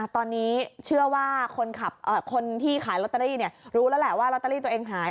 ตอนนี้เชื่อว่าคนที่ขายลอตเตอรี่รู้แล้วแหละว่าลอตเตอรี่ตัวเองหาย